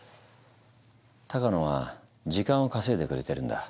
鷹野は時間を稼いでくれてるんだ。